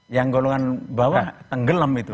yang golongan bawah tenggelam itu